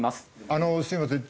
あのすみません。